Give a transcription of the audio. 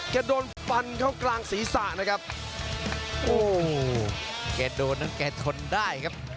โดนฟันเข้ากลางศีรษะนะครับโอ้โหแกโดนนั้นแกทนได้ครับ